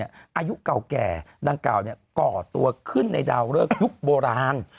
อายุเก่าแก่ดังกล่าวก่อตัวขึ้นในดาวเริกยุคโบราณ